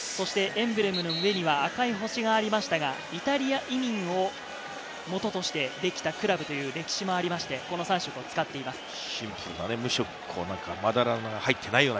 エンブレムの上には赤い星がありましたが、イタリア移民のもととしてできたクラブという歴史もありまして、この３色を使っています。